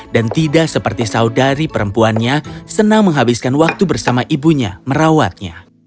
dan tidak seperti saudari perempuannya senang menghabiskan waktu bersama ibunya merawatnya